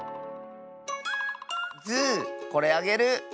ズーこれあげる！